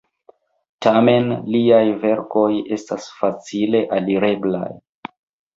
Tamen liaj verkoj estas facile alireblaj.